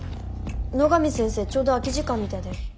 野上先生ちょうど空き時間みたいだよ。